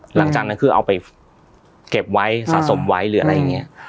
หลังจากนั้นคือเอาไปเก็บไว้สะสมไว้หรืออะไรอย่างนี้